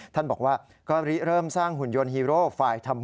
ท่านบอกว่าก็เริ่มสร้างหุ่นยนต์ฮีโร่ฝ่ายทำ